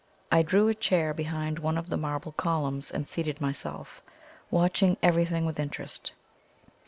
I drew a chair behind one of the marble columns and seated myself, watching everything with interest.